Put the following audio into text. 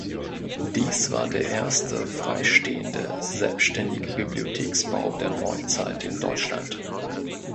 Dies war der erste freistehende, selbstständige Bibliotheksbau der Neuzeit in Deutschland.